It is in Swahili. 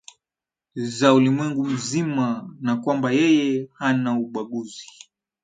za ulimwengu mzima na kwamba yeye hanaumbaguzi